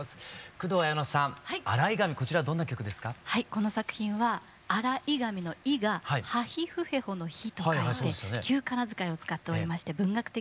この作品は「洗ひ髪」の「ひ」が「はひふへほ」の「ひ」と書いて旧仮名遣いを使っておりまして文学的な作品です。